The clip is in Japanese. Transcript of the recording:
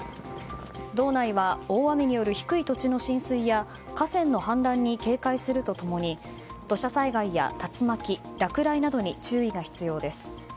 道内は大雨による低い土地の浸水や河川の氾濫に警戒すると共に土砂災害や竜巻、落雷などに注意が必要です。